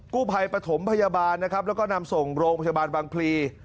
กู้ภัยปฐมพยาบาลนะครับแล้วก็นำส่งโรงพยาบาลบางพลี